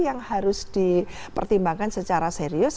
yang harus dipertimbangkan secara serius